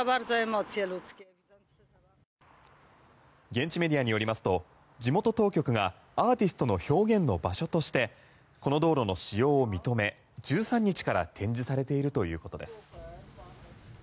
現地メディアによりますと地元当局がアーティストの表現の場所としてこの道路の使用を認め１３日から展示されているということです。